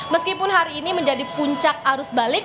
meskipun hari ini menjadi puncak arus balik